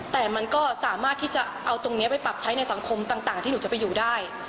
แต่มันก็สามารถที่จะเอาตรงนี้ไปปรับใช้ในสังคมต่างที่หนูจะไปอยู่ได้